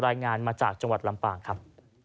รายงานมาจากจังหวัดลำปางครับ